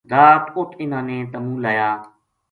رات اُت اِنھاں نے تمو لایا